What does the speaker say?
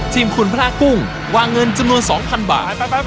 ทีมคุณพระกุ้งวางเงินจำนวน๒๐๐บาท